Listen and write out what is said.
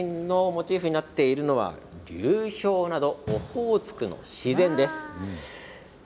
モチーフになっているのは流氷などオホーツクの自然です。